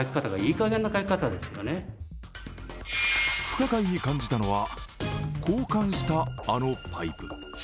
不可解に感じたのは、交換したあのパイプ。